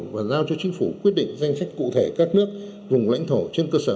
và giao cho chính phủ quyết định danh sách cụ thể các nước vùng lãnh thổ trên cơ sở